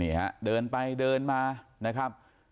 ฮะเดินไปเดินมานะครับ